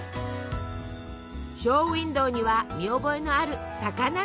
ショーウインドーには見覚えのある魚のイラスト。